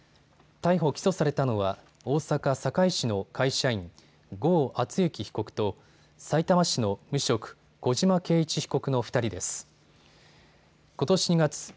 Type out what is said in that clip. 逮捕・起訴されたのは大阪堺市の会社員、郷敦行被告とさいたま市の無職、児島敬一被告の２人です。